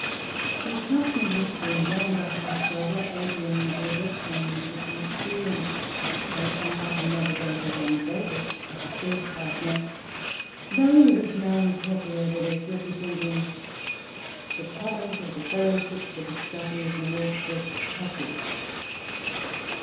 In company with a younger half brother, Adrian Gilbert, and with the experienced though unlucky navigator John Davis as a third partner, Raleigh was now incorporated as representing 'The College of the Fellowship for the Discovery of the North West Passage.'